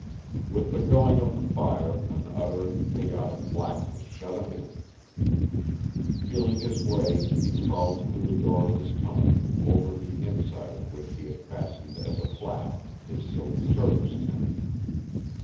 With the going of the fire an utter and chaotic blackness shut him in. Feeling his way he crawled through the door of his tunnel, over the inside of which he had fastened as a flap his silk service tent.